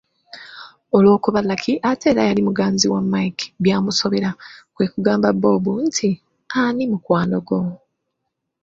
Olw’okuba Lucky ate era yali muganzi wa Mike byamusobera kwe kugamba Bob nti, “Ani mukwano gwo?''